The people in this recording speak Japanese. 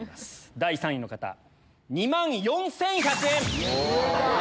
第３位の方２万４１００円。